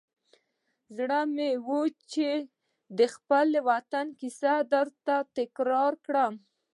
زړه مې و چې د خپل وطن کیسه ورته تکرار کړم.